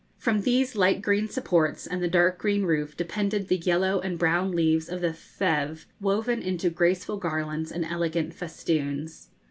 From these light green supports and the dark green roof depended the yellow and brown leaves of the theve, woven into graceful garlands and elegant festoons.